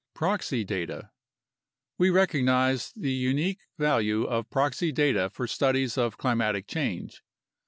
Proxy Data We recognize the unique value of proxy data for studies of climatic change.